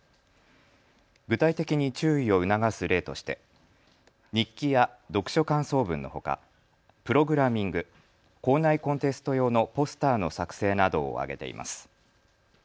具体的に注意を促す例として日記や読書感想文のほかプログラミング、校内コンテスト用のポスターの作成などを挙げています。